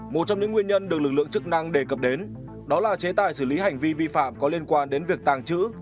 một trong những nguyên nhân được lực lượng chức năng đề cập đến đó là chế tài xử lý hành vi vi phạm có liên quan đến việc tàng trữ